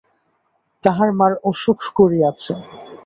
তাঁহার মার অসুখ করিয়াছে।